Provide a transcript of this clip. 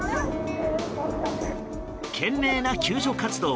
懸命な救助活動。